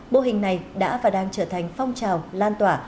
mô hình này đã và đang trở thành phong trào lan tỏa